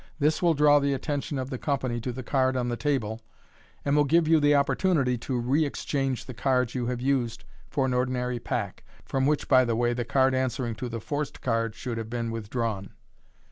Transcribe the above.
This will draw the attention of the company to the card on the table, and will give you the opportunity to re exchange the cards you have used for an ordinary pack (from which, by the way, the card answering to the forced card should have been withdrawn).